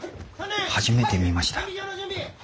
初めて見ました。